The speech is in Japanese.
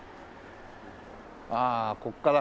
ああここから。